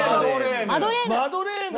マドレーヌ。